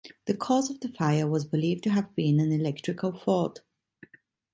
The cause of the fire was believed to have been an electrical fault.